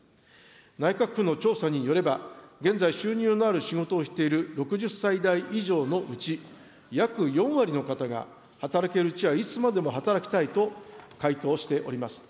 内閣府の調査によれば、現在、収入のある仕事をしている６０歳代以上のうち、約４割の方が、働けるうちはいつまでも働きたいと、回答しております。